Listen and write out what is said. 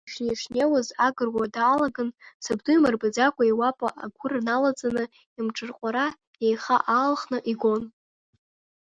Ишнеи-шнеиуаз, агыруа даалаган сабду имырбаӡакәа иуапа агәыр налаҵаны имҿырҟәара иеиха аалхны игон.